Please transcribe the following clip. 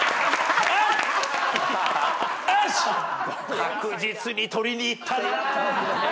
確実に取りにいったな。